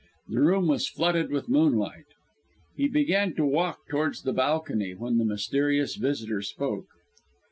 The room was flooded with moonlight. He began to walk towards the balcony, when the mysterious visitor spoke.